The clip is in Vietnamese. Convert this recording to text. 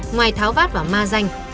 ngoài tháo vát và ma danh